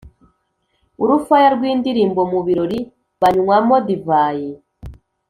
Urufaya rw’indirimbo mu birori banywamo divayi